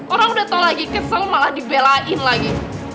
orang udah tau lagi kesel malah dibelain lagi